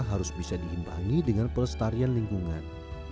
harus bisa diimbangi dengan pelestarian lingkungan